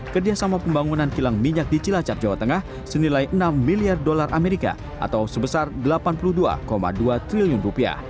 kerjasama pembangunan kilang minyak di cilacap jawa tengah senilai enam miliar dolar amerika atau sebesar rp delapan puluh dua dua triliun rupiah